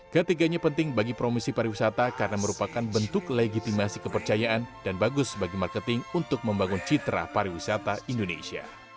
ketiganya penting bagi promisi pariwisata karena merupakan bentuk legitimasi kepercayaan dan bagus bagi marketing untuk membangun citra pariwisata indonesia